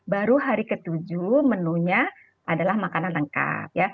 baru hari ke tujuh menunya adalah makanan lengkap